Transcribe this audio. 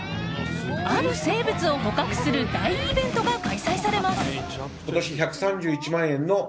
ある生物を捕獲する大イベントが開催されます。